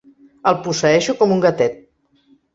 El posseeixo com un gatet.